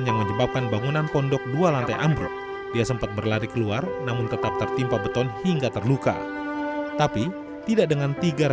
yang sedang mondok di pondok pesantren mambahus saadah cianjur